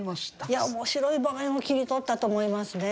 いや面白い場面を切り取ったと思いますね。